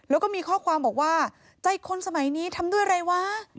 แล้วก็มีข้อความบอกว่าใจคนสมัยนี้ทำด้วยอะไรวะ